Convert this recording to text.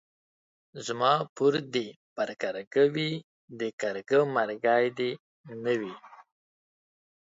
زما پور دي پر کارگه وي ،د کارگه مرگى دي نه وي.